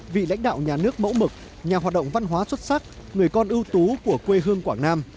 vị lãnh đạo nhà nước mẫu mực nhà hoạt động văn hóa xuất sắc người con ưu tú của quê hương quảng nam